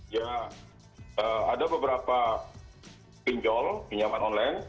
ya ada beberapa pinjol pinjaman online